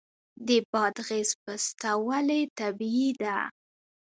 د بادغیس پسته ولې طبیعي ده؟